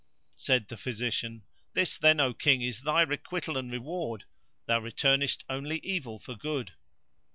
Said the physician, "This then, O King, is thy requital and reward; thou returnest only evil for good."